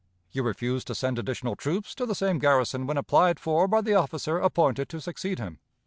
You refused to send additional troops to the same garrison when applied for by the officer appointed to succeed him.